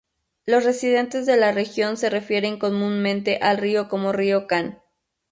Los residentes de la región se refieren comúnmente al río como "río Kam".